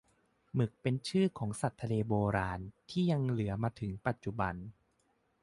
หมึก เป็นชื่อของสัตว์ทะเลโบราณ ที่ยังเหลือมาถึงปัจจุบัน